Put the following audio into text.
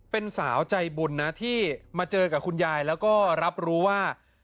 เป็นสาวใจบุญนะที่มาเจอกับคุณยายแล้วก็รับรู้ว่า